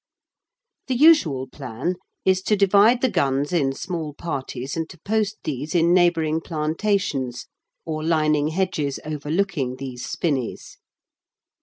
The usual plan is to divide the guns in small parties and to post these in neighbouring plantations or lining hedges overlooking these spinneys.